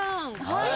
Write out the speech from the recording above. はい。